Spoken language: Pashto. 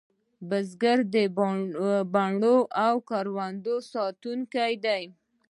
بزګر د بڼو او کروندو ساتونکی دی